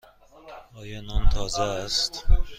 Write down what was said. آیا نان تازه است؟